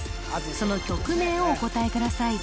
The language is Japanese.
その曲名をお答えください